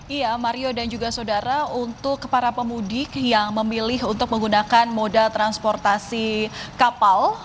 iya mario dan juga saudara untuk para pemudik yang memilih untuk menggunakan moda transportasi kapal